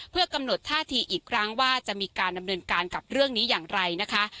เพื่อกำหนดท่าทีอีกครั้งว่าจะมีการดำเนินการกับเรื่องนี้อย่างไรนะคะ